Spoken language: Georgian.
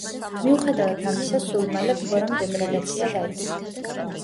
მიუხედავად ამისა, სულ მალე ფლორამ დეგრადაცია დაიწყო.